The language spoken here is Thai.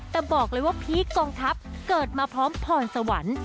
แต่บอกเลยว่าพีคกองทัพเกิดมาพร้อมพรสวรรค์